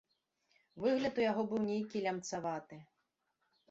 Выгляд у яго быў нейкі лямцаваты.